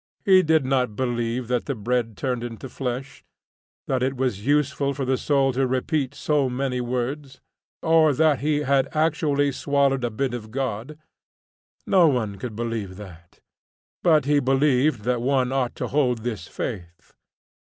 He did not believe that the bread turned into flesh, that it was useful for the soul to repeat so many words, or that he had actually swallowed a bit of God. No one could believe this, but he believed that one ought to hold this faith.